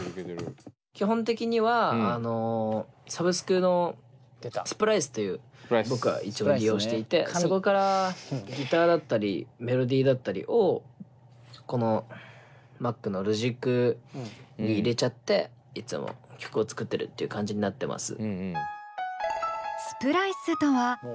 基本的にはサブスクのスプライスという僕はいつも利用していてそこからギターだったりメロディーだったりをこのＭａｃのＬｏｇｉｃに入れちゃっていつも曲を作ってるという感じになってます。